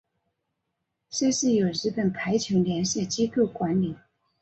赛事由日本排球联赛机构管理。